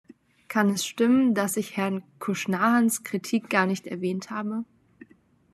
Kann es stimmen, dass ich Herrn Cushnahans Kritik gar nicht erwähnt habe.